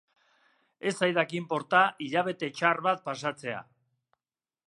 Ez zaidak inporta hilabete txar bat pasatzea.